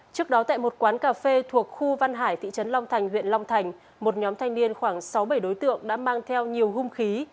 trước đó tại một quán cà phê thuộc khu văn hải thị trấn long thành huyện long thành một nhóm thanh niên khoảng sáu bảy đối tượng đã mang theo nhiều hung khí